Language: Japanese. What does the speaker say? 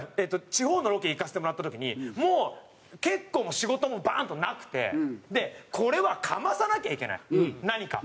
地方のロケ行かせてもらった時にもう結構仕事もバーンとなくてこれはかまさなきゃいけない何か。